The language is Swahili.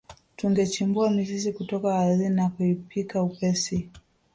Tungechimbua mizizi kutoka ardhini na kuipika upesi